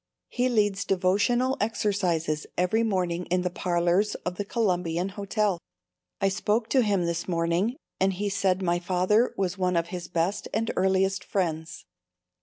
He leads devotional exercises every morning in the parlors of the Columbian Hotel. I spoke to him this morning and he said my father was one of his best and earliest friends.